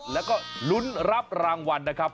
แล้วก็ลุ้นรับรางวัลนะครับ